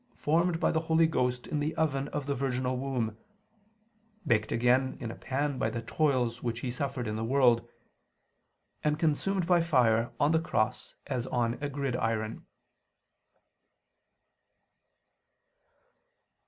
formed by the Holy Ghost in the oven of the virginal womb; baked again in a pan by the toils which He suffered in the world; and consumed by fire on the cross as on a gridiron.